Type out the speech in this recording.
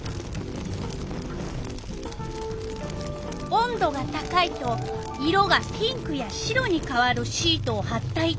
温度が高いと色がピンクや白にかわるシートをはった板。